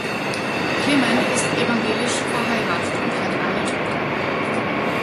Clemen ist evangelisch, verheiratet und hat eine Tochter.